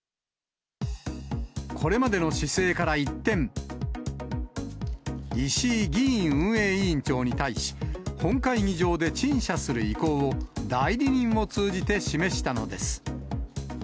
これまでの姿勢から一転、石井議院運営委員長に対し、本会議場で陳謝する意向を代理人を通じて示したのです。